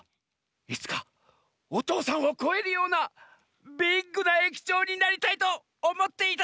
いつかおとうさんをこえるようなビッグなえきちょうになりたいとおもっていたざんす！